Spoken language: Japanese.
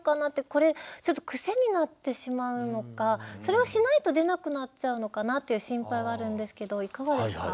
これちょっと癖になってしまうのかそれをしないと出なくなっちゃうのかなっていう心配があるんですけどいかがですか？